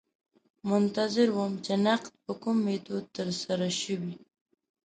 منتظر وم چې نقد په کوم میتود ترسره شوی.